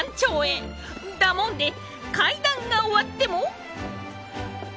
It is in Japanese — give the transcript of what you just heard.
だもんで階段が終わっても。